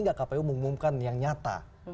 nggak kpu mengumumkan yang nyata